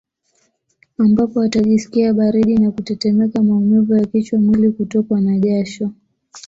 Ambapo atajisikia baridi na kutetemeka maumivu ya kichwa mwili Kutokwa na jasho